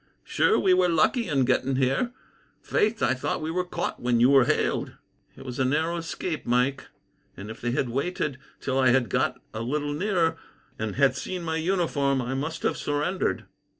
Sure we were lucky in getting here. Faith, I thought we were caught when you were hailed." "It was a narrow escape, Mike; and if they had waited till I had got a little nearer, and had seen my uniform, I must have surrendered."